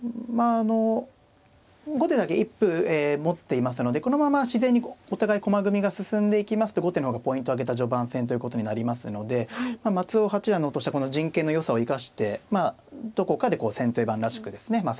まああの後手だけ一歩持っていますのでこのまま自然にお互い駒組みが進んでいきますと後手の方がポイント挙げた序盤戦ということになりますので松尾八段の方としてはこの陣形の良さを生かしてどこかでこう先手番らしくですね